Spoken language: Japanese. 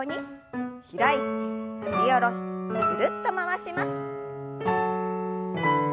開いて振り下ろしてぐるっと回します。